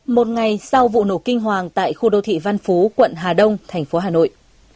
một ngày sau vụ nổ kinh hoàng tại khu đô thị văn phú quận hà đông thành phố hà nội